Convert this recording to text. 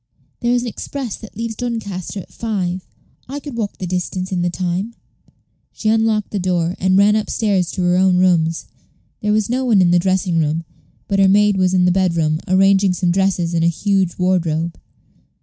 "There is an express that leaves Doncaster at five. I could walk the distance in the time." She unlocked the door, and ran up stairs to her own rooms. There was no one in the dressing room, but her maid was in the bedroom, arranging some dresses in a huge wardrobe.